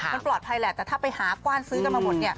มันปลอดภัยแหละแต่ถ้าไปหากว้านซื้อกันมาหมด